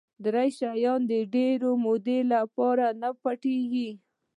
دری شیان د ډېرې مودې لپاره نه پټ کېږي.